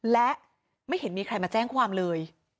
และไม่เห็นมีใครมาแจ้งความเลย